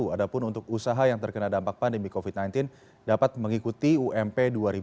ada pun untuk usaha yang terkena dampak pandemi covid sembilan belas dapat mengikuti ump dua ribu dua puluh